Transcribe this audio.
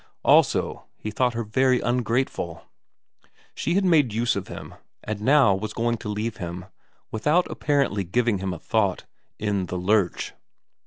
Also he thought her very ungrateful. She had made use of him, and now was going to leave him, without apparently giving him a thought, in the lurch.